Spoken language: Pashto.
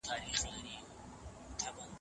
ډېري فابریکي د خامو موادو د کمښت سره مخ سوي.